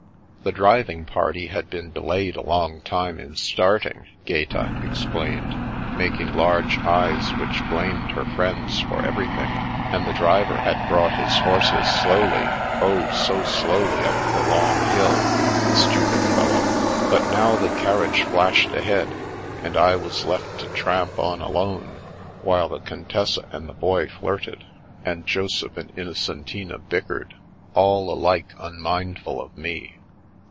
The driving party had been delayed a long time in starting, Gaeta explained, making large eyes which blamed her friends for everything; and the driver had brought his horses slowly, oh, so slowly, up the long hill, the stupid fellow. But now the carriage flashed ahead, and I was left to tramp on alone, while the Contessa and the Boy flirted, and Joseph and Innocentina bickered, all alike unmind ful of me.